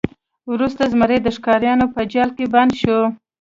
وروسته زمری د ښکاریانو په جال کې بند شو.